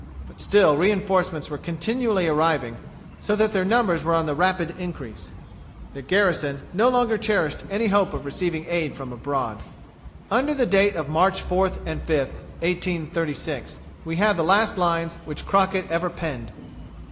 But still reinforcements were continually arriving, so that their numbers were on the rapid increase. The garrison no longer cherished any hope of receiving aid from abroad. Under date of March 4th and 5th, 1836, we have the last lines which Crockett ever penned.